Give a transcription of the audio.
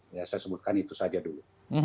ya saya sebutkan itu saja dulu